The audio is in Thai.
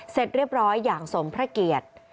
เสร็จเรียบร้อยอย่างสมพระเกียรติ